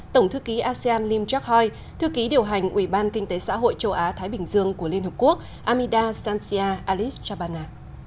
tổng thư ký asean lim chokhoi thư ký điều hành ủy ban kinh tế xã hội châu á thái bình dương của liên hợp quốc amida sancia alice chabana